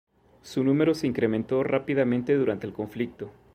Su número se incrementó rápidamente durante el conflicto.